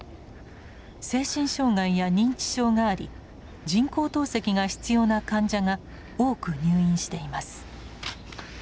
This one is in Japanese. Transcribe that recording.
精神障害や認知症があり人工透析が必要な患者が多く入院しています。